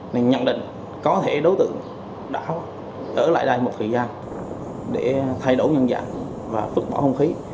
nên nhận định có thể đối tượng đã ở lại đây một thời gian để thay đổi nhân dạng và vứt bỏ không khí